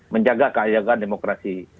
menjaga keajakan demokrasi